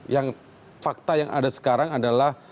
yang fakta yang ada sekarang adalah